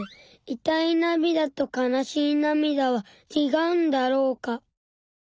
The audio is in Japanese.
痛いなみだと悲しいなみだはちがうんだろうか。